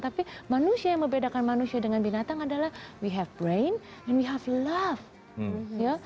tapi manusia yang membedakan manusia dengan binatang adalah we have brain and be hafi love